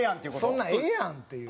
「そんなんええやん」という。